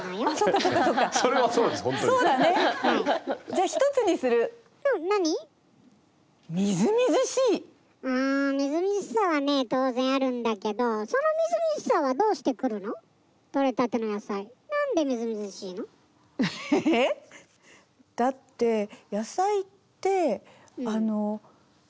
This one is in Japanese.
あみずみずしさはね当然あるんだけどそのみずみずしさはどうしてくるの？え？